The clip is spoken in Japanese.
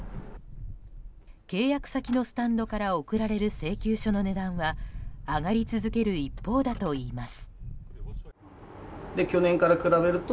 契約先のスタンドから送られる請求書の値段は上がり続ける一方だといいます。